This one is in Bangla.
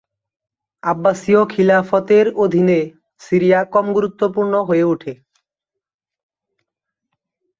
আব্বাসীয় খিলাফতের অধীনে সিরিয়া কম গুরুত্বপূর্ণ হয়ে উঠে।